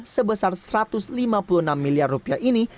sebesar satu ratus lima puluh enam miliar rupiah ini